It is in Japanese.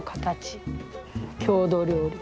郷土料理。